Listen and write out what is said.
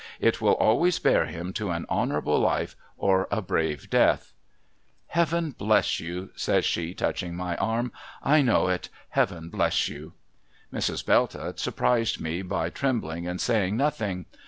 It will always bear him to an honourable life, or a brave death.' ' Heaven bless you !' says she, touching m} arm. ' I know it. Heaven bless you !' Mrs. Belltott surprised me by trembling and saying nothing.